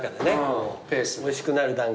おいしくなる段階がこう。